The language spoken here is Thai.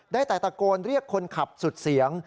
ได้แต่ตะโกนเรียกคนขับสุดเสียง